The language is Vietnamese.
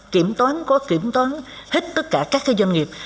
kiểm toán có kiểm toán hết tất cả các doanh nghiệp